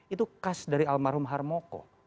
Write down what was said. itu khas dari almarhum harmoko